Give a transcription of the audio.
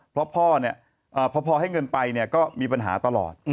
เพราะพ่อเนี่ยเพราะพ่อให้เงินไปเนี่ยก็มีปัญหาตลอด